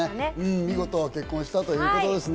見事、結婚したということですね。